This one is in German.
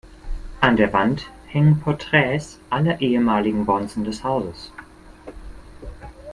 An der Wand hängen Porträts aller ehemaligen Bonzen des Hauses.